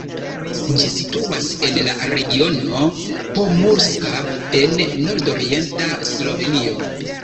Ĝi situas en la regiono Pomurska en nordorienta Slovenio.